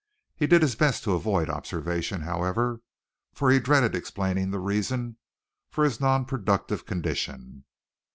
He did his best to avoid observation, however, for he dreaded explaining the reason of his non productive condition.